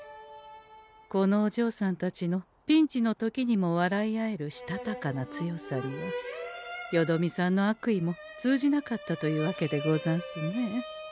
このおじょうさんたちのピンチの時にも笑い合えるしたたかな強さにはよどみさんの悪意も通じなかったというわけでござんすね。